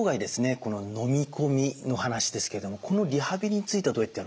この飲み込みの話ですけれどもこのリハビリについてはどうやってやるんでしょう？